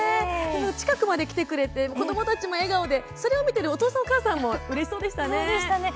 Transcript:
近くまで来てくれて子どもたちも笑顔で、それを見てお父さんお母さんもうれしそうですよね。